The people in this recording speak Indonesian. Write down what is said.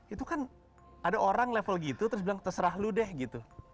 itu kan ada orang level gitu terus bilang terserah lu deh gitu